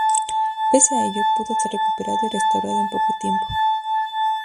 Pese a ello, pudo ser recuperado y restaurado en poco tiempo.